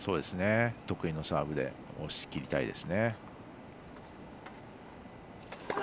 得意のサーブで押し切りたいです。